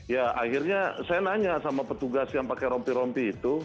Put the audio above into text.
ya akhirnya saya nanya sama petugas yang pakai rompi rompi itu